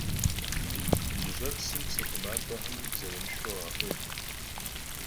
Jış'epsım psı xhumap'exem zeranışşxue khaxuêh.